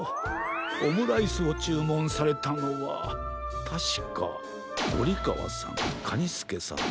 オムライスをちゅうもんされたのはたしかゴリかわさんカニスケさん